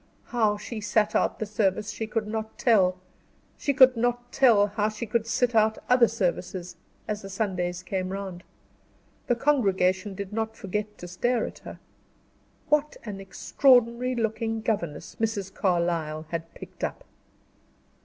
How she sat out the service she could not tell; she could not tell how she could sit out other services, as the Sundays came round! The congregation did not forget to stare at her. What an extraordinary looking governess Mrs. Carlyle had picked up!